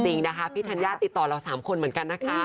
จริงนะคะพี่ธัญญาติดต่อเรา๓คนเหมือนกันนะคะ